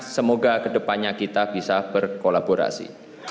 semoga kedepannya kita bisa berkolaborasi